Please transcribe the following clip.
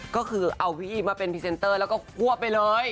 ก็คือเอาพี่อีมาเป็นพรีเซนเตอร์แล้วก็ควบไปเลย